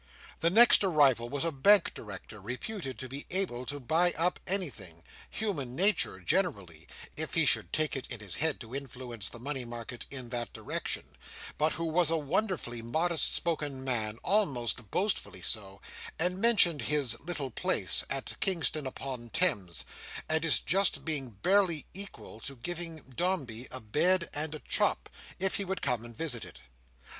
The next arrival was a Bank Director, reputed to be able to buy up anything—human Nature generally, if he should take it in his head to influence the money market in that direction—but who was a wonderfully modest spoken man, almost boastfully so, and mentioned his "little place" at Kingston upon Thames, and its just being barely equal to giving Dombey a bed and a chop, if he would come and visit it.